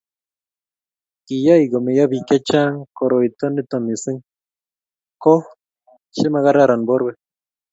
Kiyai komeyo biik che chang' koroito nito mising' ko che makararan borwek